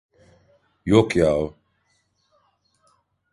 Yok yahu.